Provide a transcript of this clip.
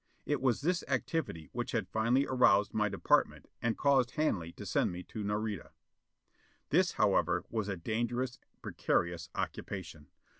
It was this activity which had finally aroused my department and caused Hanley to send me to Nareda. This however, was a dangerous, precarious occupation.